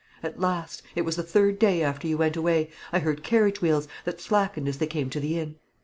At last it was the third day after you went away I heard carriage wheels, that slackened as they came to the inn.